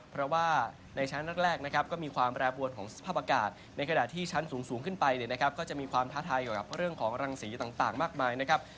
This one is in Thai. เพราะว่าในชั้นแรกนะครับก็มีความแปรปวนของสภาพอากาศในขณะที่ชั้นสูงขึ้นไปเนี่ยนะครับก็จะมีความท้าทายเกี่ยวกับเรื่องของรังสีต่างมากมายนะครับ